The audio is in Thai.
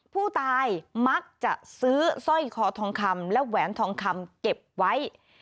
ผู้ตายมักจะซื้อสร้อยคอทองคำและแหวนทองคำเก็บไว้